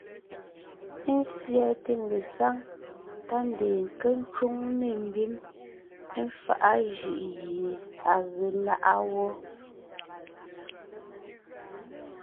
Ésiɛte ngesáŋ tá ndeen nke ńcwóŋ nê mbim éfaʼa jʉʼ gie à ge láʼa wó.